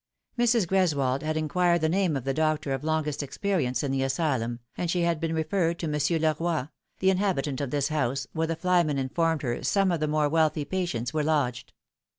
Mrs. Greswold had inquired the name of the doctor of longest experience in the asylum, and she had been referred to Monsieur Leroy, the inhabitant of this house, where the flyman informed her some of the more wealthy patients were lodged.